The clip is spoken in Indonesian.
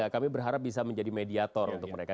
kami berharap bisa menjadi mediator untuk mereka